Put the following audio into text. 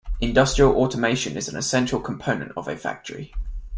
Industrial automation is an essential component of a factory.